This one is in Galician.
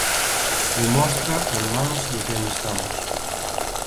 Demostra en mans de quen estamos.